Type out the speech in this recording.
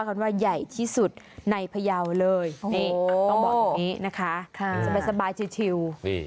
กันว่าใหญ่ที่สุดในพยาวเลยนี่ต้องบอกอย่างนี้นะคะสบายชิว